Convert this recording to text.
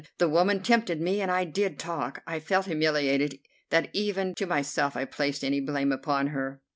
The woman tempted me, and I did talk. I felt humiliated that even to myself I placed any blame upon her.